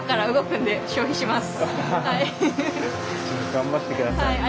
頑張ってください。